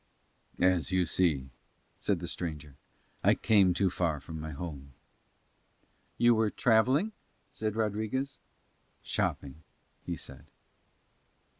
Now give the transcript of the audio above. "As you see," said the stranger. "I came too far from my home." "You were travelling?" said Rodriguez. "Shopping," he said.